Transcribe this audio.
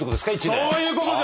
そういうことじゃ！